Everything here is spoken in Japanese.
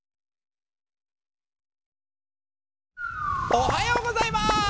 おはようございます！